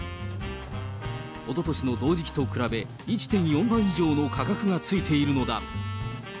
おととしの同時期と比べ１．４倍以上の価格がついているのだ。